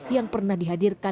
yang pernah dihadirkan